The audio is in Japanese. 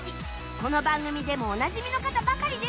この番組でもおなじみの方ばかりですが